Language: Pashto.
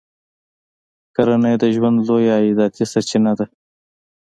کرنه یې د ژوند لویه عایداتي سرچینه ده.